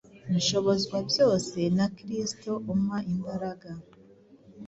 "Nshobozwa byose na Kristo umpa imbaraga"